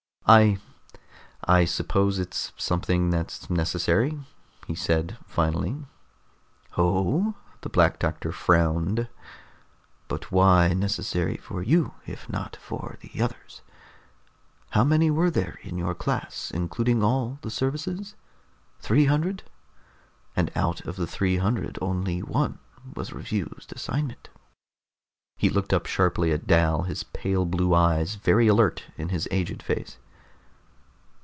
"I ... I suppose it's something that's necessary," he said finally. "Oh?" the Black Doctor frowned. "But why necessary for you if not for the others? How many were there in your class, including all the services? Three hundred? And out of the three hundred only one was refused assignment." He looked up sharply at Dal, his pale blue eyes very alert in his aged face.